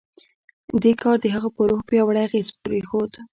دې کار د هغه پر روح پیاوړی اغېز پرېښود